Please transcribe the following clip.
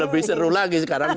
lebih seru lagi sekarang